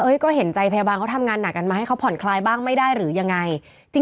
ก็เห็นใจพยาบาลเขาทำงานหนักกันมาให้เขาผ่อนคลายบ้างไม่ได้หรือยังไง